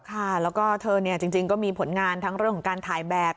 ค่ะแล้วก็เธอเนี่ยจริงก็มีผลงานทั้งเรื่องของการถ่ายแบบ